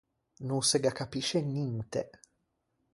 No se gh’accapisce ninte.